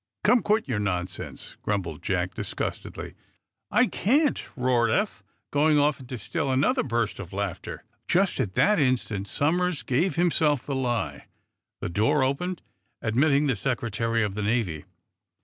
"Come, quit your nonsense!" grumbled Jack, disgustedly. "I can't," roared Eph, going off into still another burst of laughter. Just at that instant Somers gave himself the lie. The door opened, admitting the Secretary of the Navy.